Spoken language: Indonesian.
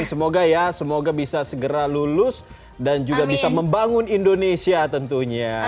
semoga ya semoga bisa segera lulus dan juga bisa membangun indonesia tentunya